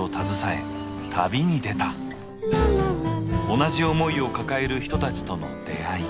同じ思いを抱える人たちとの出会い。